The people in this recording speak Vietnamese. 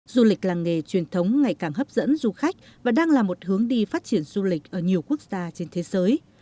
du lịch làng nghề truyền thống ngày càng hấp dẫn du khách và đang là một hướng đi phát triển du lịch ở nhiều quốc gia trên thế giới